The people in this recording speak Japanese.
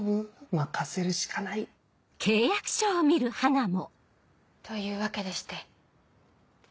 任せるしかない。というわけでして。